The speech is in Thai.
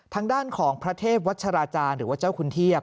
ทางด้านของพระเทพวัชราจารย์หรือว่าเจ้าคุณเทียบ